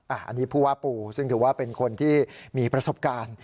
อันนี้ผู้ว่าปู่ซึ่งถือว่าเป็นคนที่มีประสบการณ์